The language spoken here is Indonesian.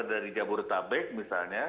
dari jabodetabek misalnya